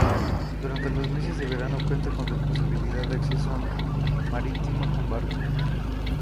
Durante los meses de verano cuenta con la posibilidad de acceso marítimo por barco.